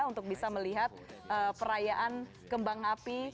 untuk bisa melihat perayaan kembang api